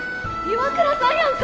岩倉さんや。